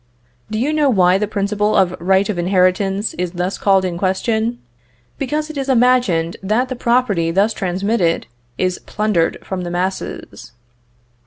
Do you know why the principle of right of inheritance is thus called in question? Because it is imagined that the property thus transmitted is plundered from the masses.